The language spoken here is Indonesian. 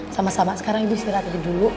sama sama sekarang ibu silahkan tidur dulu